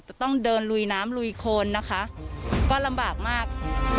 จะต้องเดินลุยน้ำลุยโคนนะคะก็ลำบากมาก